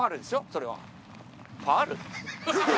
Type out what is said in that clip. それは。